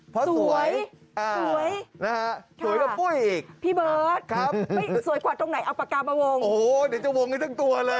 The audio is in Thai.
เพราะสวยสวยนะฮะสวยกว่าปุ้ยอีกพี่เบิร์ตครับสวยกว่าตรงไหนเอาปากกามาวงโอ้โหเดี๋ยวจะวงนี้ทั้งตัวเลย